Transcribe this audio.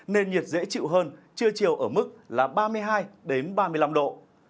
nên nhiệt dễ chịu hơn trưa chiều ở mức là ba mươi hai ba mươi năm độ